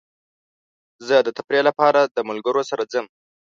زه د تفریح لپاره د ملګرو سره ځم.